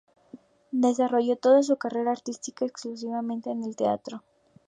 Desarrolló toda su carrera artística exclusivamente en el teatro.